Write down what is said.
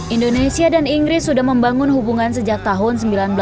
indonesia dan inggris sudah membangun hubungan sejak tahun seribu sembilan ratus sembilan puluh